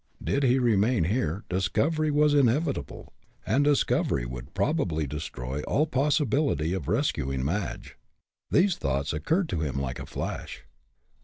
Did he remain here, discovery was inevitable, and discovery would probably destroy all possibility of rescuing Madge. These thoughts occurred to him like a flash.